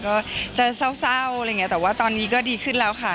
ก็จะเศร้าอะไรอย่างนี้แต่ว่าตอนนี้ก็ดีขึ้นแล้วค่ะ